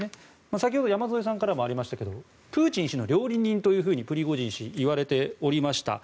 先ほど山添さんからありましたがプーチン氏の料理人とプリゴジン氏はいわれておりました。